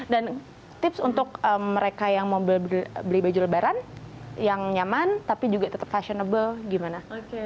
dan tips untuk mereka yang mau beli baju lebaran yang nyaman tapi juga tetap fashionable gimana